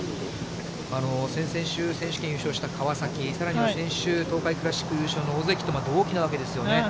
先々週、選手権、優勝したかわさき、さらに先週、東海クラシック優勝の尾関と同期なわけですよね。